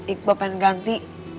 ikbo pengen ganti